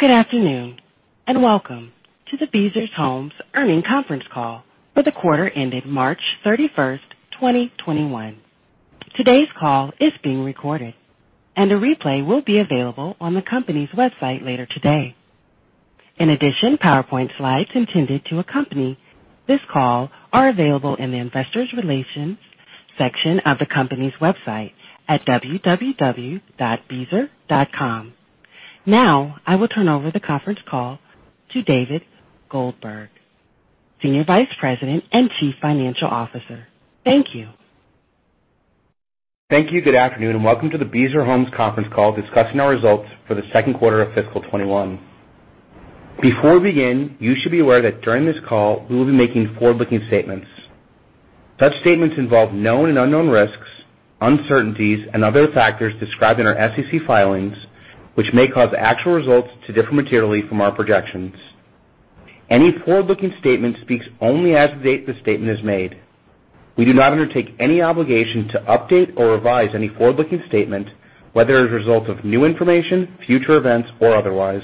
Good afternoon, welcome to the Beazer Homes earnings conference call for the quarter ending March 31st, 2021. Today's call is being recorded, and a replay will be available on the company's website later today. In addition, PowerPoint slides intended to accompany this call are available in the investor relations section of the company's website at www.beazer.com. Now, I will turn over the conference call to David Goldberg, Senior Vice President and Chief Financial Officer. Thank you. Thank you. Good afternoon, and welcome to the Beazer Homes conference call discussing our results for the second quarter of fiscal 2021. Before we begin, you should be aware that during this call, we will be making forward-looking statements. Such statements involve known and unknown risks, uncertainties, and other factors described in our SEC filings, which may cause actual results to differ materially from our projections. Any forward-looking statement speaks only as of the date the statement is made. We do not undertake any obligation to update or revise any forward-looking statement, whether as a result of new information, future events, or otherwise.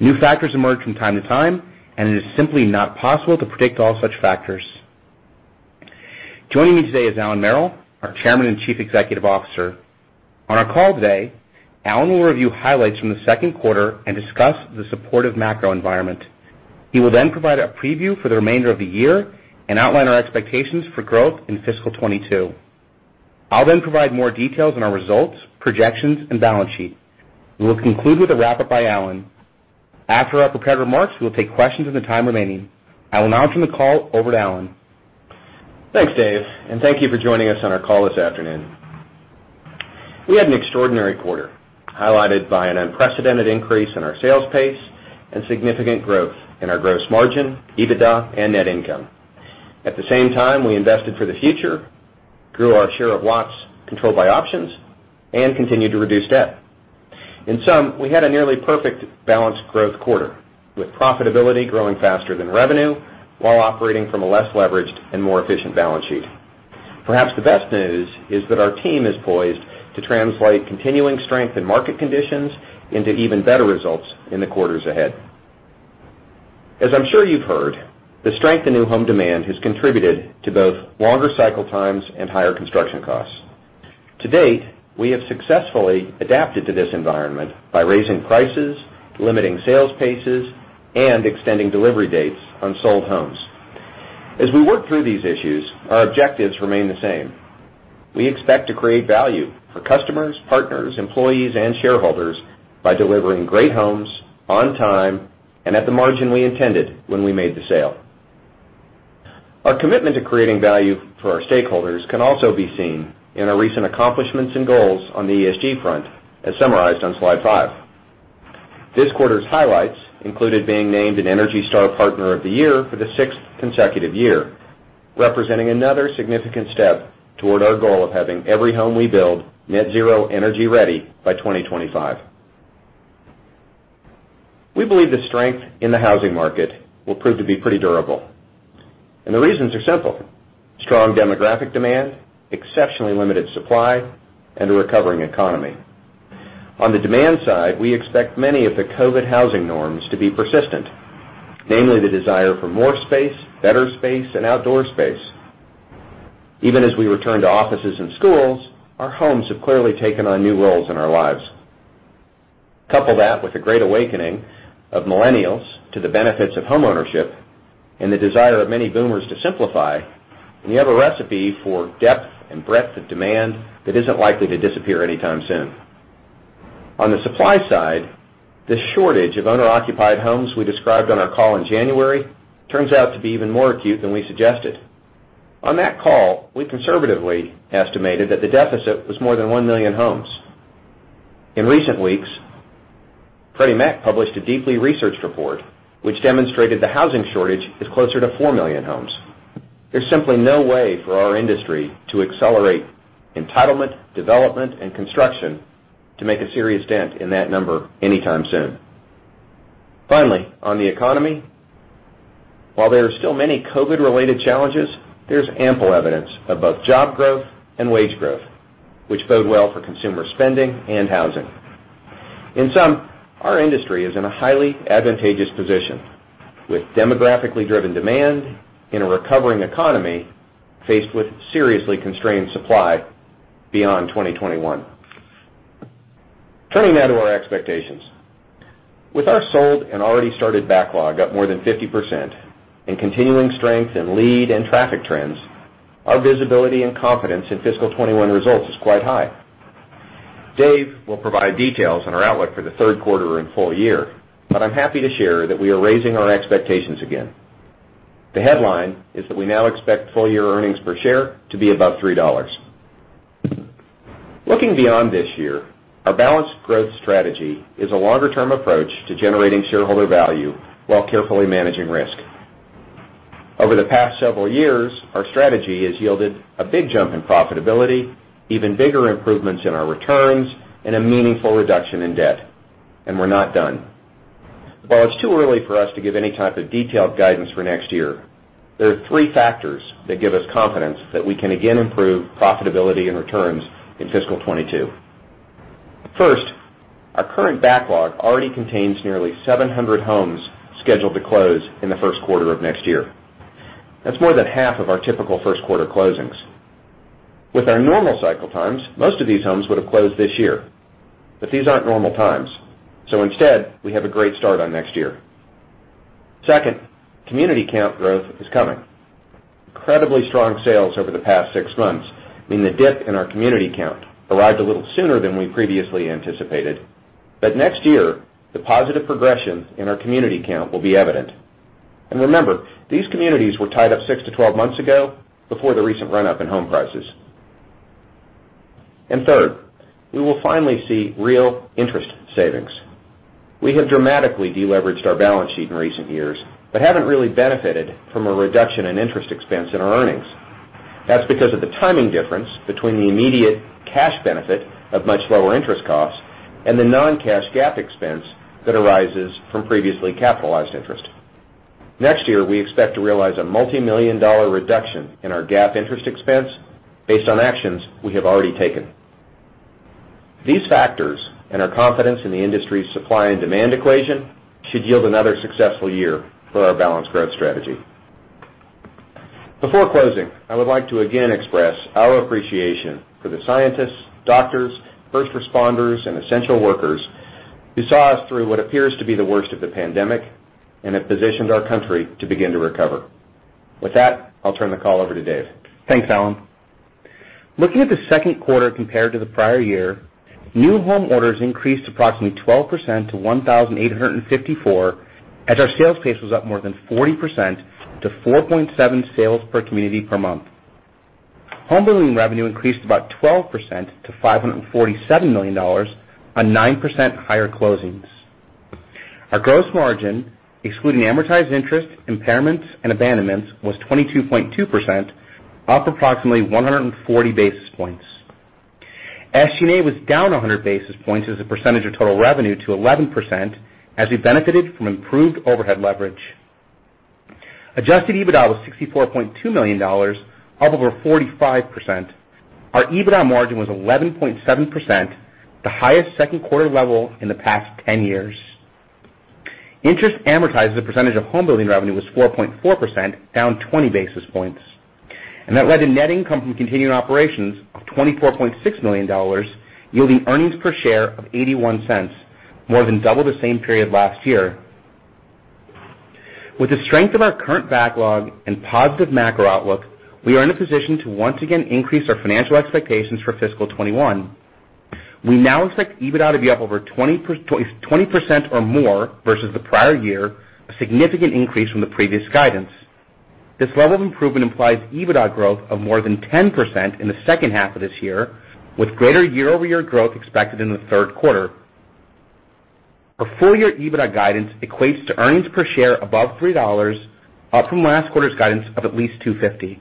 New factors emerge from time to time, and it is simply not possible to predict all such factors. Joining me today is Allan Merrill, our Chairman and Chief Executive Officer. On our call today, Allan will review highlights from the second quarter and discuss the supportive macro environment. He will then provide a preview for the remainder of the year and outline our expectations for growth in fiscal 2022. I'll then provide more details on our results, projections, and balance sheet. We will conclude with a wrap-up by Allan. After our prepared remarks, we'll take questions in the time remaining. I will now turn the call over to Allan. Thanks, Dave, and thank you for joining us on our call this afternoon. We had an extraordinary quarter, highlighted by an unprecedented increase in our sales pace and significant growth in our gross margin, EBITDA, and net income. At the same time, we invested for the future, grew our share of lots controlled by options, and continued to reduce debt. In sum, we had a nearly perfect balanced growth quarter, with profitability growing faster than revenue while operating from a less leveraged and more efficient balance sheet. Perhaps the best news is that our team is poised to translate continuing strength in market conditions into even better results in the quarters ahead. As I'm sure you've heard, the strength in new home demand has contributed to both longer cycle times and higher construction costs. To date, we have successfully adapted to this environment by raising prices, limiting sales paces, and extending delivery dates on sold homes. As we work through these issues, our objectives remain the same. We expect to create value for customers, partners, employees, and shareholders by delivering great homes on time and at the margin we intended when we made the sale. Our commitment to creating value for our stakeholders can also be seen in our recent accomplishments and goals on the ESG front, as summarized on slide five. This quarter's highlights included being named an ENERGY STAR Partner of the Year for the sixth consecutive year, representing another significant step toward our goal of having every home we build Net Zero Energy Ready by 2025. We believe the strength in the housing market will prove to be pretty durable, and the reasons are simple: strong demographic demand, exceptionally limited supply, and a recovering economy. On the demand side, we expect many of the COVID housing norms to be persistent, namely the desire for more space, better space, and outdoor space. Even as we return to offices and schools, our homes have clearly taken on new roles in our lives. Couple that with a great awakening of millennials to the benefits of homeownership and the desire of many boomers to simplify, and you have a recipe for depth and breadth of demand that isn't likely to disappear anytime soon. On the supply side, the shortage of owner-occupied homes we described on our call in January turns out to be even more acute than we suggested. On that call, we conservatively estimated that the deficit was more than one million homes. In recent weeks, Freddie Mac published a deeply researched report which demonstrated the housing shortage is closer to four million homes. There's simply no way for our industry to accelerate entitlement, development, and construction to make a serious dent in that number anytime soon. Finally, on the economy, while there are still many COVID-related challenges, there's ample evidence of both job growth and wage growth, which bode well for consumer spending and housing. In sum, our industry is in a highly advantageous position with demographically driven demand in a recovering economy faced with seriously constrained supply beyond 2021. Turning now to our expectations. With our sold and already-started backlog up more than 50%, and continuing strength in lead and traffic trends, our visibility and confidence in fiscal 2021 results is quite high. Dave will provide details on our outlook for the third quarter and full year, but I'm happy to share that we are raising our expectations again. The headline is that we now expect full-year earnings per share to be above $3. Looking beyond this year, our balanced growth strategy is a longer-term approach to generating shareholder value while carefully managing risk. Over the past several years, our strategy has yielded a big jump in profitability, even bigger improvements in our returns, and a meaningful reduction in debt. We're not done. While it's too early for us to give any type of detailed guidance for next year, there are three factors that give us confidence that we can again improve profitability and returns in fiscal 2022. First, our current backlog already contains nearly 700 homes scheduled to close in the first quarter of next year. That's more than half of our typical first-quarter closings. With our normal cycle times, most of these homes would have closed this year, but these aren't normal times. Instead, we have a great start on next year. Second, community count growth is coming. Incredibly strong sales over the past six months mean the dip in our community count arrived a little sooner than we previously anticipated. Next year, the positive progression in our community count will be evident. Remember, these communities were tied up 6-12 months ago before the recent run-up in home prices. Third, we will finally see real interest savings. We have dramatically deleveraged our balance sheet in recent years, but haven't really benefited from a reduction in interest expense in our earnings. That's because of the timing difference between the immediate cash benefit of much lower interest costs and the non-cash GAAP expense that arises from previously capitalized interest. Next year, we expect to realize a multimillion dollar reduction in our GAAP interest expense based on actions we have already taken. These factors, and our confidence in the industry's supply and demand equation, should yield another successful year for our balanced growth strategy. Before closing, I would like to again express our appreciation for the scientists, doctors, first responders, and essential workers who saw us through what appears to be the worst of the pandemic and have positioned our country to begin to recover. With that, I'll turn the call over to Dave. Thanks, Allan. Looking at the second quarter compared to the prior year, new home orders increased approximately 12% to 1,854, as our sales pace was up more than 40% to 4.7 sales per community per month. Homebuilding revenue increased about 12% to $547 million, on 9% higher closings. Our gross margin, excluding amortized interest, impairments, and abandonments, was 22.2%, up approximately 140 basis points. SG&A was down 100 basis points as a percentage of total revenue to 11%, as we benefited from improved overhead leverage. Adjusted EBITDA was $64.2 million, up over 45%. Our EBITDA margin was 11.7%, the highest second quarter level in the past 10 years. Interest amortized as a percentage of homebuilding revenue was 4.4%, down 20 basis points. That led to net income from continuing operations of $24.6 million, yielding earnings per share of $0.81, more than double the same period last year. With the strength of our current backlog and positive macro outlook, we are in a position to once again increase our financial expectations for fiscal 2021. We now expect EBITDA to be up over 20% or more versus the prior year, a significant increase from the previous guidance. This level of improvement implies EBITDA growth of more than 10% in the second half of this year, with greater year-over-year growth expected in the third quarter. Our full-year EBITDA guidance equates to earnings per share above $3, up from last quarter's guidance of at least $2.50.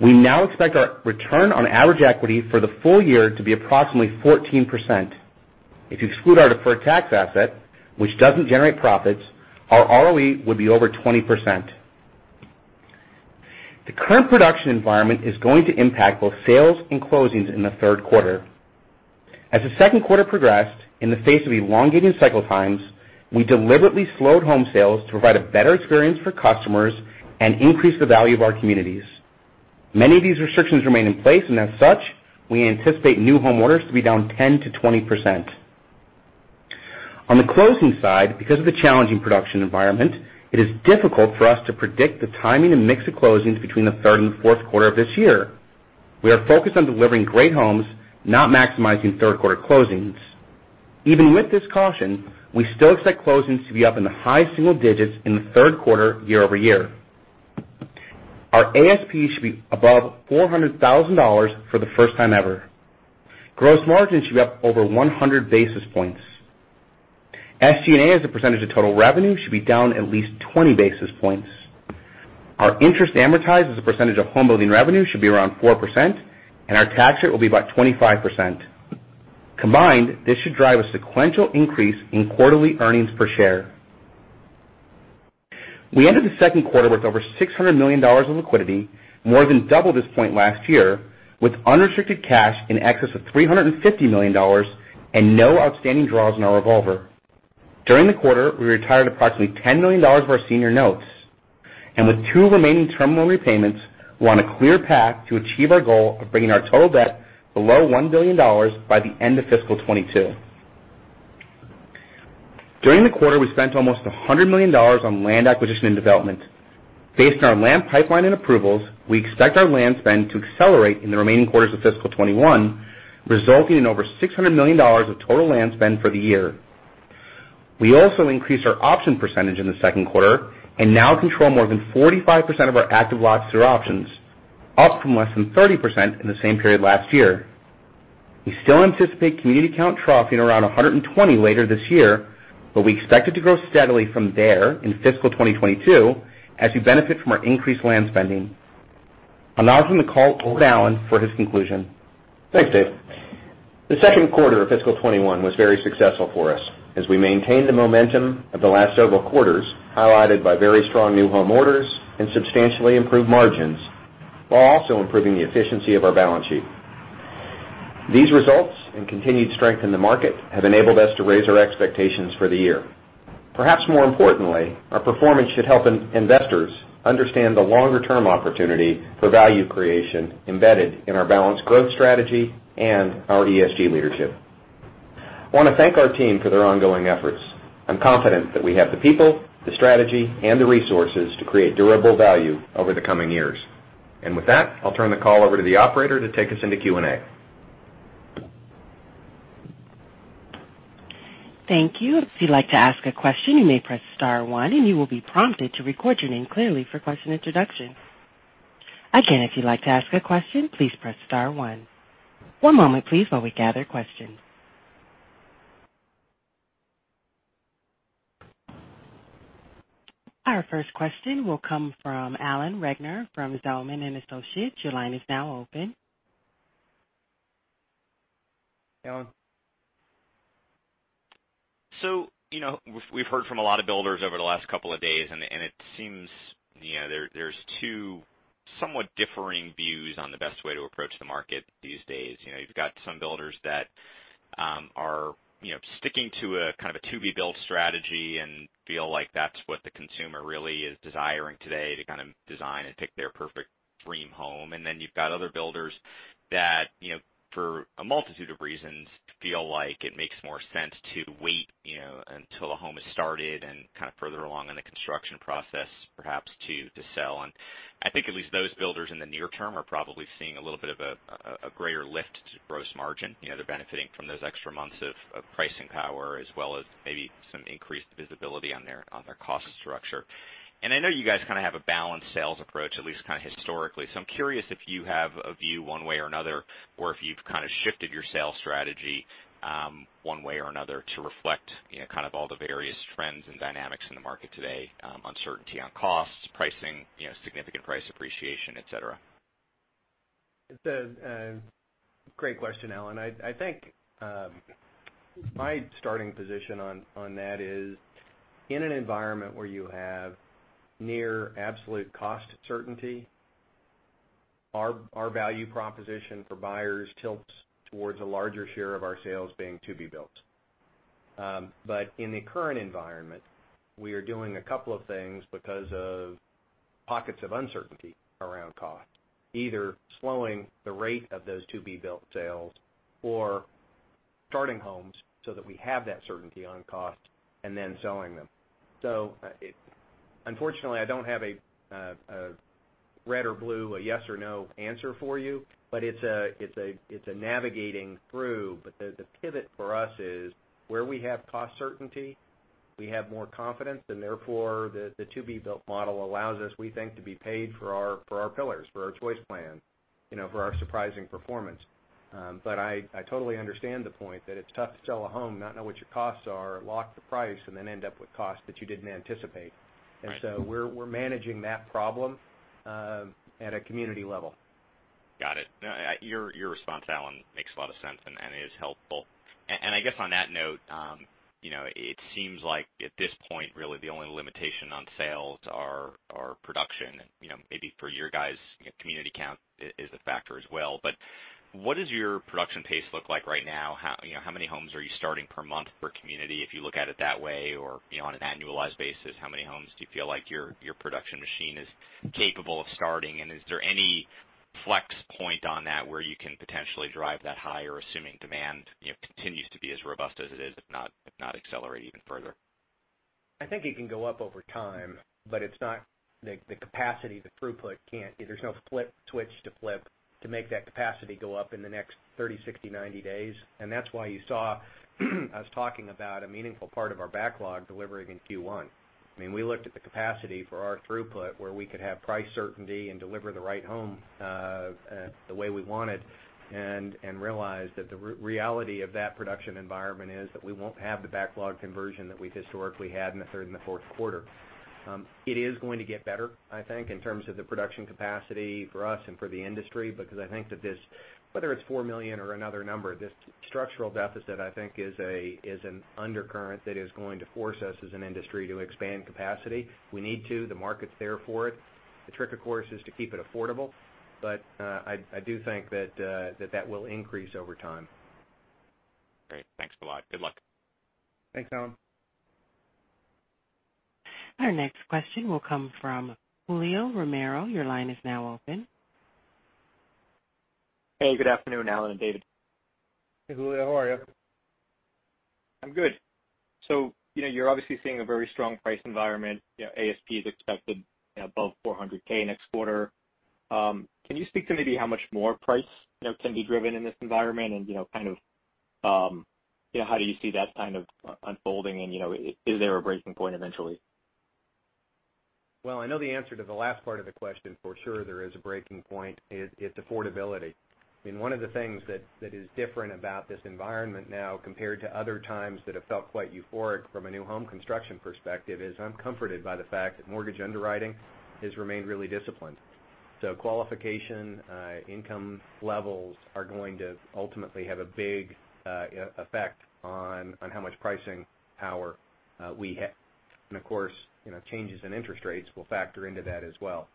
We now expect our return on average equity for the full year to be approximately 14%. If you exclude our deferred tax asset, which doesn't generate profits, our ROE would be over 20%. The current production environment is going to impact both sales and closings in the third quarter. As the second quarter progressed, in the face of elongated cycle times, we deliberately slowed home sales to provide a better experience for customers and increase the value of our communities. Many of these restrictions remain in place, and as such, we anticipate new home orders to be down 10%-20%. On the closing side, because of the challenging production environment, it is difficult for us to predict the timing and mix of closings between the third and fourth quarter of this year. We are focused on delivering great homes, not maximizing third-quarter closings. Even with this caution, we still expect closings to be up in the high single digits in the third quarter year-over-year. Our ASP should be above $400,000 for the first time ever. Gross margin should be up over 100 basis points. SG&A as a percentage of total revenue should be down at least 20 basis points. Our interest amortized as a percentage of homebuilding revenue should be around 4%, and our tax rate will be about 25%. Combined, this should drive a sequential increase in quarterly earnings per share. We ended the second quarter with over $600 million in liquidity, more than double this point last year, with unrestricted cash in excess of $350 million and no outstanding draws in our revolver. During the quarter, we retired approximately $10 million of our senior notes. With two remaining terminal repayments, we're on a clear path to achieve our goal of bringing our total debt below $1 billion by the end of fiscal 2022. During the quarter, we spent almost $100 million on land acquisition and development. Based on our land pipeline and approvals, we expect our land spend to accelerate in the remaining quarters of fiscal 2021, resulting in over $600 million of total land spend for the year. We also increased our option percentage in the second quarter and now control more than 45% of our active lots through options, up from less than 30% in the same period last year. We still anticipate community count troughing around 120 later this year, but we expect it to grow steadily from there in fiscal 2022 as we benefit from our increased land spending. I'll now turn the call over to Allan for his conclusion. Thanks, Dave. The second quarter of fiscal 2021 was very successful for us as we maintained the momentum of the last several quarters, highlighted by very strong new home orders and substantially improved margins, while also improving the efficiency of our balance sheet. These results and continued strength in the market have enabled us to raise our expectations for the year. Perhaps more importantly, our performance should help investors understand the longer-term opportunity for value creation embedded in our balanced growth strategy and our ESG leadership. I want to thank our team for their ongoing efforts. I'm confident that we have the people, the strategy, and the resources to create durable value over the coming years. With that, I'll turn the call over to the operator to take us into Q&A. Thank you. If you'd like to ask a question, you may press star one, and you will be prompted to record your name clearly for question introduction. Again, if you'd like to ask a question, please press star one. One moment, please, while we gather questions. Our first question will come from Alan Ratner from Zelman & Associates. Your line is now open. Alan. We've heard from a lot of builders over the last couple of days, and it seems there's two somewhat differing views on the best way to approach the market these days. You've got some builders that are sticking to a kind of to-be-built strategy and feel like that's what the consumer really is desiring today to kind of design and pick their perfect dream home. You've got other builders that, for a multitude of reasons, feel like it makes more sense to wait until a home is started and kind of further along in the construction process, perhaps, to sell on. At least those builders in the near term are probably seeing a little bit of a greater lift to gross margin. They're benefiting from those extra months of pricing power as well as maybe some increased visibility on their cost structure. I know you guys kind of have a balanced sales approach, at least kind of historically. I'm curious if you have a view one way or another, or if you've kind of shifted your sales strategy one way or another to reflect all the various trends and dynamics in the market today, uncertainty on costs, pricing, significant price appreciation, et cetera. It's a great question, Alan. I think my starting position on that is, in an environment where you have near absolute cost certainty, our value proposition for buyers tilts towards a larger share of our sales being to-be-built. In the current environment, we are doing a couple of things because of pockets of uncertainty around cost, either slowing the rate of those to-be-built sales or starting homes so that we have that certainty on cost and then selling them. Unfortunately, I don't have a red or blue, a yes or no answer for you, but it's a navigating through. The pivot for us is where we have cost certainty, we have more confidence, and therefore, the to-be-built model allows us, we think, to be paid for our pillars, for our Choice Plans, for our Surprising Performance. I totally understand the point that it's tough to sell a home, not know what your costs are, lock the price, and then end up with costs that you didn't anticipate. Right. We're managing that problem at a community level. Got it. No, your response, Allan, makes a lot of sense and is helpful. I guess on that note, it seems like at this point, really the only limitation on sales are production, and maybe for your guys, community count is a factor as well. What does your production pace look like right now? How many homes are you starting per month per community, if you look at it that way? On an annualized basis, how many homes do you feel like your production machine is capable of starting? Is there any flex point on that where you can potentially drive that higher, assuming demand continues to be as robust as it is, if not accelerate even further? I think it can go up over time, but the capacity, the throughput, there's no flip switch to flip to make that capacity go up in the next 30, 60, 90 days. That's why you saw us talking about a meaningful part of our backlog delivering in Q1. We looked at the capacity for our throughput where we could have price certainty and deliver the right home the way we wanted and realized that the reality of that production environment is that we won't have the backlog conversion that we've historically had in the third and the fourth quarter. It is going to get better, I think, in terms of the production capacity for us and for the industry, because I think that this, whether it's $4 million or another number, this structural deficit, I think, is an undercurrent that is going to force us as an industry to expand capacity. We need to. The market's there for it. The trick, of course, is to keep it affordable. I do think that that will increase over time. Great. Thanks a lot. Good luck. Thanks, Alan. Our next question will come from Julio Romero. Your line is now open. Hey. Good afternoon, Allan and David. Hey, Julio. How are you? I'm good. You're obviously seeing a very strong price environment. ASP is expected above $400K next quarter. Can you speak to maybe how much more price can be driven in this environment and kind of how do you see that kind of unfolding, and is there a breaking point eventually? Well, I know the answer to the last part of the question, for sure there is a breaking point. It's affordability. One of the things that is different about this environment now compared to other times that have felt quite euphoric from a new home construction perspective is I'm comforted by the fact that mortgage underwriting has remained really disciplined. Qualification, income levels are going to ultimately have a big effect on how much pricing power we have. Of course, changes in interest rates will factor into that as well.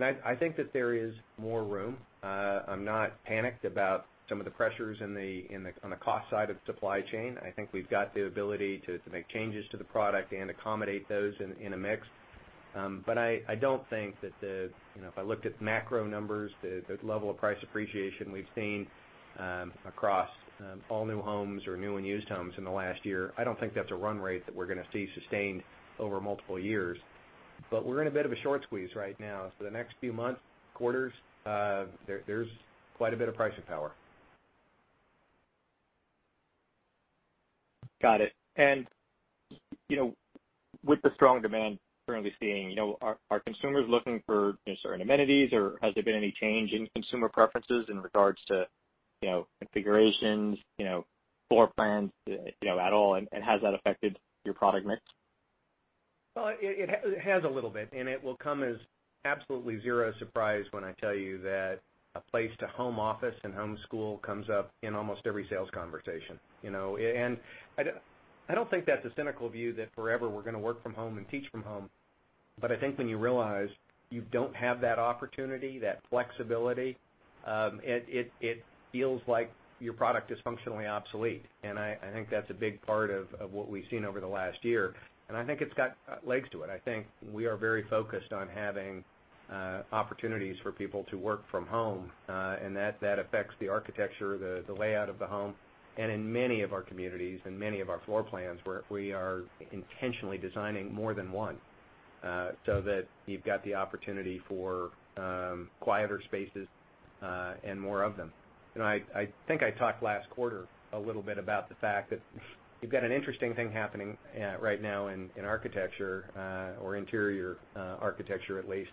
I think that there is more room. I'm not panicked about some of the pressures on the cost side of the supply chain. I think we've got the ability to make changes to the product and accommodate those in a mix. I don't think that if I looked at macro numbers, the level of price appreciation we've seen across all new homes or new and used homes in the last year, I don't think that's a run rate that we're going to see sustained over multiple years. We're in a bit of a short squeeze right now. The next few months, quarters, there's quite a bit of pricing power. Got it. With the strong demand currently seeing, are consumers looking for certain amenities, or has there been any change in consumer preferences in regards to configurations, floor plans at all, and has that affected your product mix? Well, it has a little bit, and it will come as absolutely zero surprise when I tell you that a place to home office and homeschool comes up in almost every sales conversation. I don't think that's a cynical view that forever we're going to work from home and teach from home. I think when you realize you don't have that opportunity, that flexibility, it feels like your product is functionally obsolete, and I think that's a big part of what we've seen over the last year. I think it's got legs to it. I think we are very focused on having opportunities for people to work from home, and that affects the architecture, the layout of the home. In many of our communities and many of our floor plans, we are intentionally designing more than one, so that you've got the opportunity for quieter spaces, and more of them. I think I talked last quarter a little bit about the fact that you've got an interesting thing happening right now in architecture, or interior architecture at least,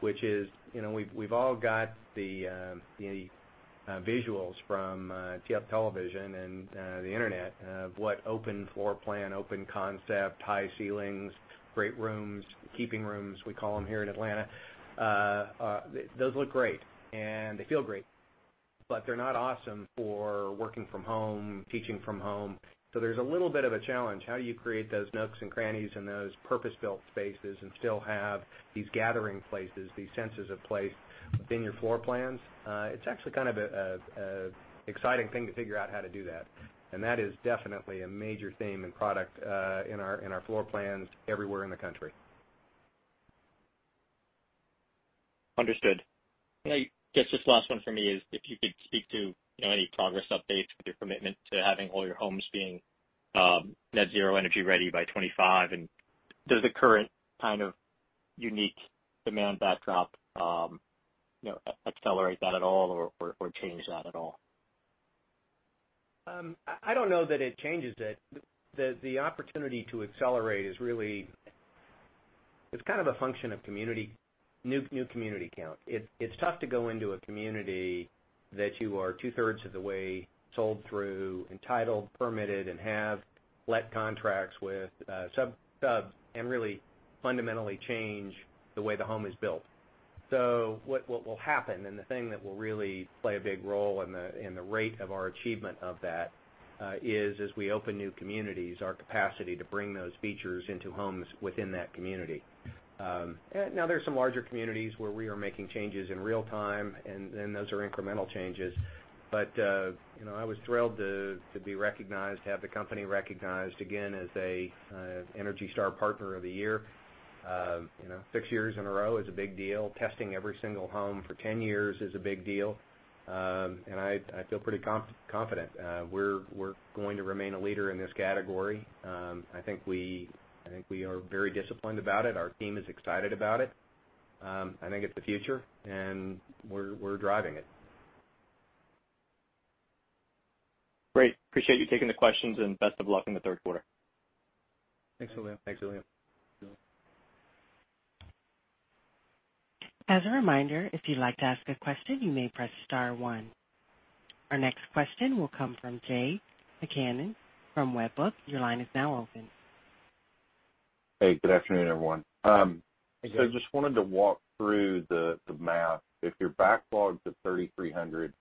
which is we've all got the visuals from television and the internet of what open floor plan, open concept, high ceilings, great rooms, keeping rooms, we call them here in Atlanta. Those look great, and they feel great, but they're not awesome for working from home, teaching from home. There's a little bit of a challenge. How do you create those nooks and crannies and those purpose-built spaces and still have these gathering places, these senses of place within your floor plans? It's actually kind of an exciting thing to figure out how to do that, and that is definitely a major theme in product in our floor plans everywhere in the country. Understood. I guess this last one for me is if you could speak to any progress updates with your commitment to having all your homes being Net Zero Energy Ready by 2025. Does the current kind of unique demand backdrop accelerate that at all or change that at all? I don't know that it changes it. The opportunity to accelerate is kind of a function of new community count. It's tough to go into a community that you are two-thirds of the way sold through, entitled, permitted, and have let contracts with subs, and really fundamentally change the way the home is built. What will happen, and the thing that will really play a big role in the rate of our achievement of that is as we open new communities, our capacity to bring those features into homes within that community. There are some larger communities where we are making changes in real time, and those are incremental changes. I was thrilled to be recognized, have the company recognized again as a ENERGY STAR Partner of the Year. Six years in a row is a big deal. Testing every single home for 10 years is a big deal. I feel pretty confident we're going to remain a leader in this category. I think we are very disciplined about it. Our team is excited about it. I think it's the future, and we're driving it. Great. Appreciate you taking the questions, and best of luck in the third quarter. Thanks, Julio. As a reminder, if you'd like to ask a question, you may press star one. Our next question will come from Jay McCanless from Wedbush. Your line is now open. Hey, good afternoon, everyone. Hey, Jay. Just wanted to walk through the math. If your backlogs of 3,300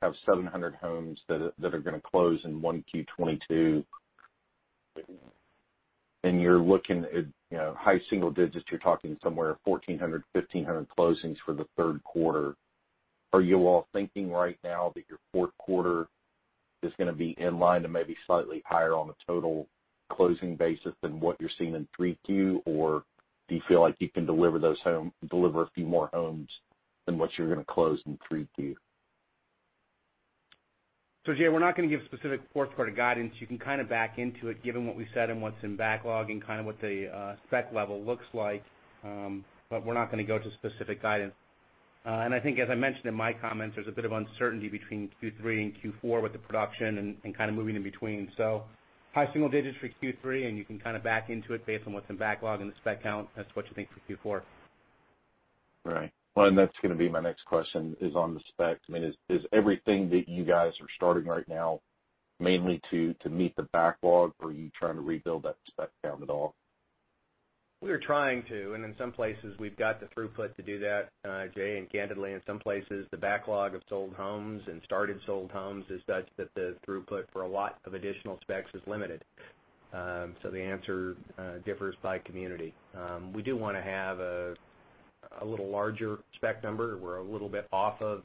have 700 homes that are going to close in 1Q 2022, and you're looking at high single digits, you're talking somewhere 1,400, 1,500 closings for the third quarter. Are you all thinking right now that your fourth quarter is going to be in line to maybe slightly higher on a total closing basis than what you're seeing in 3Q, or do you feel like you can deliver a few more homes than what you're going to close in 3Q? Jay, we're not going to give specific fourth quarter guidance. You can kind of back into it given what we said and what's in backlog and kind of what the spec level looks like. We're not going to go to specific guidance. I think as I mentioned in my comments, there's a bit of uncertainty between Q3 and Q4 with the production and kind of moving in between. High single digits for Q3, and you can kind of back into it based on what's in backlog and the spec count. That's what you think for Q4. Right. Well, that's going to be my next question, is on the specs. Is everything that you guys are starting right now mainly to meet the backlog, or are you trying to rebuild that spec count at all? We are trying to, in some places we've got the throughput to do that, Jay. Candidly, in some places, the backlog of sold homes and started sold homes is such that the throughput for a lot of additional specs is limited. The answer differs by community. We do want to have a little larger spec number. We're a little bit off of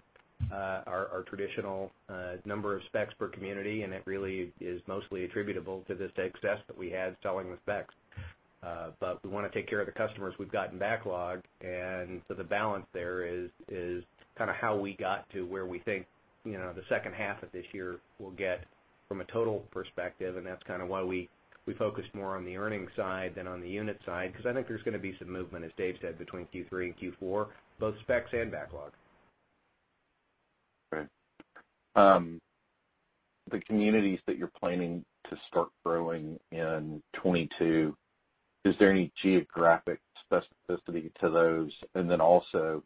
our traditional number of specs per community, it really is mostly attributable to the success that we had selling the specs. We want to take care of the customers we've got in backlog. The balance there is kind of how we got to where we think the second half of this year will get from a total perspective, and that's kind of why we focused more on the earnings side than on the unit side, because I think there's going to be some movement, as Dave said, between Q3 and Q4, both specs and backlog. Right. The communities that you're planning to start growing in 2022, is there any geographic specificity to those? Then also,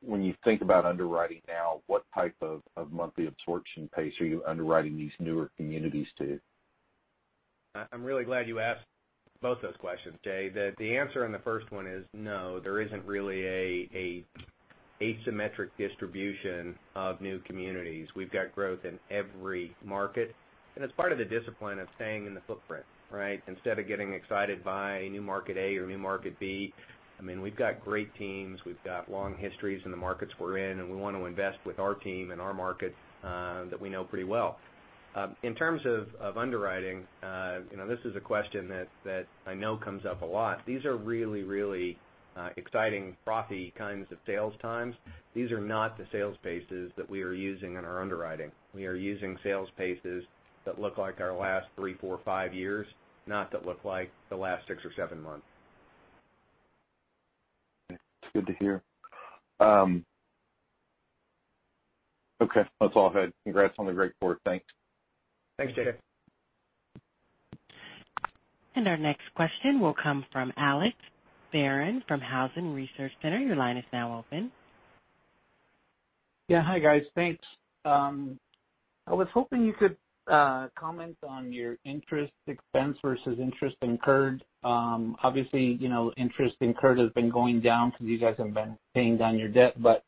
when you think about underwriting now, what type of monthly absorption pace are you underwriting these newer communities to? I'm really glad you asked both those questions, Jay. The answer on the first one is no, there isn't really an asymmetric distribution of new communities. We've got growth in every market, and it's part of the discipline of staying in the footprint, right? Instead of getting excited by new market A or new market B, we've got great teams, we've got long histories in the markets we're in, and we want to invest with our team and our markets that we know pretty well. In terms of underwriting, this is a question that I know comes up a lot. These are really, really exciting, frothy kinds of sales times. These are not the sales paces that we are using in our underwriting. We are using sales paces that look like our last three, four, five years, not that look like the last six or seven months. That's good to hear. Okay. That's all I had. Congrats on the great quarter. Thanks. Thanks, Jay. Our next question will come from Alex Barron from Housing Research Center. Your line is now open. Yeah. Hi, guys. Thanks. I was hoping you could comment on your interest expense versus interest incurred. Obviously, interest incurred has been going down because you guys have been paying down your debt, but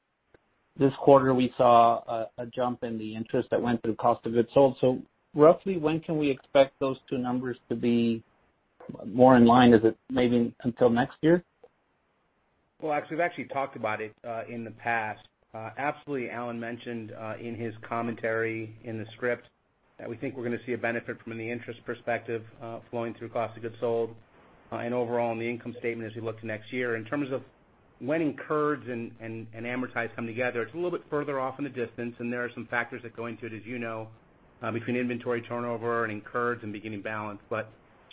this quarter we saw a jump in the interest that went through cost of goods sold. Roughly when can we expect those two numbers to be more in line? Is it maybe until next year? Well, Alex, we've actually talked about it in the past. Alan mentioned in his commentary in the script that we think we're going to see a benefit from the interest perspective flowing through cost of goods sold and overall on the income statement as we look to next year. In terms of when incurred and amortized come together, it's a little bit further off in the distance, and there are some factors that go into it, as you know, between inventory turnover and incurred and beginning balance.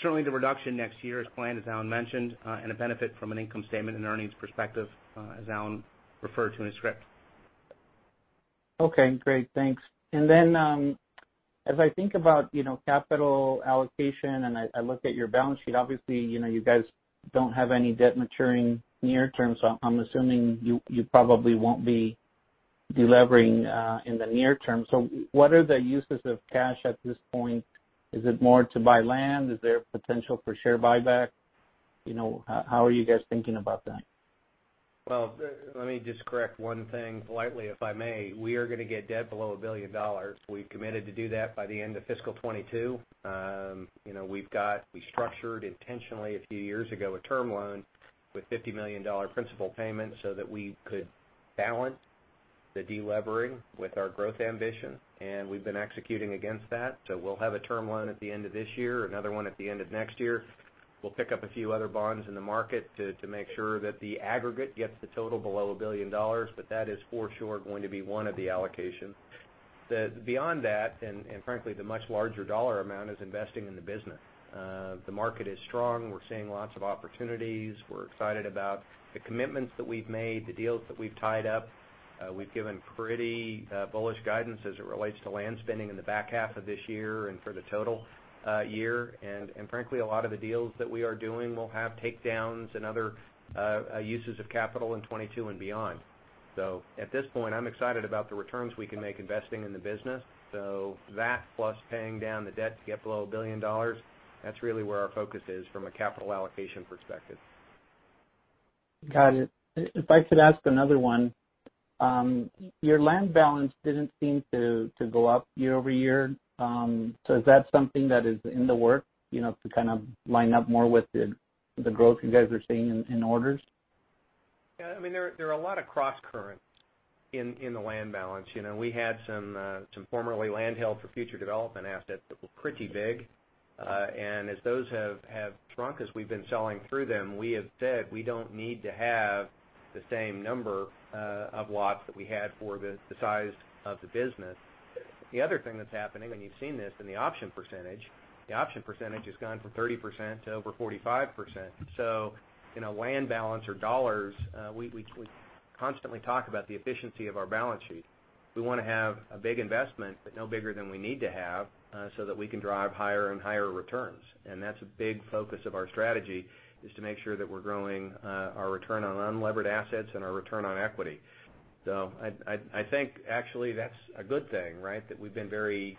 Certainly the reduction next year is planned, as Alan mentioned, and a benefit from an income statement and earnings perspective, as Alan referred to in his script. Okay, great. Thanks. As I think about capital allocation and I look at your balance sheet, obviously, you guys don't have any debt maturing near term, so I'm assuming you probably won't be delevering in the near term. What are the uses of cash at this point? Is it more to buy land? Is there potential for share buyback? How are you guys thinking about that? Well, let me just correct one thing politely, if I may. We are going to get debt below $1 billion. We've committed to do that by the end of fiscal 2022. We structured intentionally a few years ago, a term loan with a $50 million principal payment so that we could balance the delevering with our growth ambition, and we've been executing against that. We'll have a term loan at the end of this year, another one at the end of next year. We'll pick up a few other bonds in the market to make sure that the aggregate gets the total below $1 billion, but that is for sure going to be one of the allocations. Beyond that, and frankly, the much larger dollar amount, is investing in the business. The market is strong. We're seeing lots of opportunities. We're excited about the commitments that we've made, the deals that we've tied up. We've given pretty bullish guidance as it relates to land spending in the back half of this year and for the total year. Frankly, a lot of the deals that we are doing will have takedowns and other uses of capital in 2022 and beyond. At this point, I'm excited about the returns we can make investing in the business. This plus paying down the debt to get below $1 billion, that's really where our focus is from a capital allocation perspective. Got it. If I could ask another one. Your land balance didn't seem to go up year-over-year. Is that something that is in the works to kind of line up more with the growth you guys are seeing in orders? Yeah. There are a lot of cross currents in the land balance. We had some formerly land held for future development assets that were pretty big. As those have shrunk, as we've been selling through them, we have said we don't need to have the same number of lots that we had for the size of the business. The other thing that's happening, and you've seen this in the option percentage, the option percentage has gone from 30% to over 45%. Land balance or dollars, we constantly talk about the efficiency of our balance sheet. We want to have a big investment, but no bigger than we need to have, so that we can drive higher and higher returns. That's a big focus of our strategy is to make sure that we're growing our return on unlevered assets and our return on equity. I think actually that's a good thing, right? That we've been very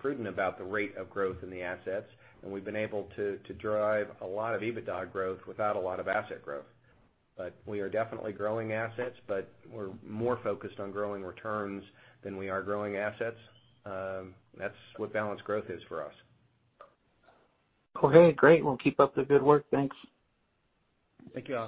prudent about the rate of growth in the assets, and we've been able to drive a lot of EBITDA growth without a lot of asset growth. We are definitely growing assets, but we're more focused on growing returns than we are growing assets. That's what balanced growth is for us. Okay, great. Well, keep up the good work. Thanks. Thank you,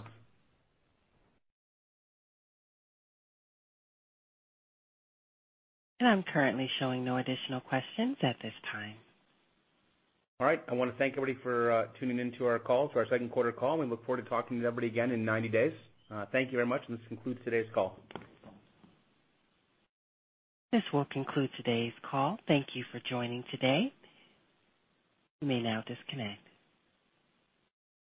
Alex. I'm currently showing no additional questions at this time. All right. I want to thank everybody for tuning into our call, to our second quarter call, and look forward to talking to everybody again in 90 days. Thank you very much. This concludes today's call. This will conclude today's call. Thank you for joining today. You may now disconnect.